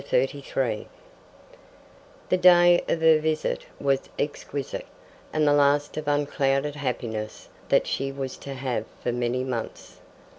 Chapter 33 The day of her visit was exquisite, and the last of unclouded happiness that she was to have for many months.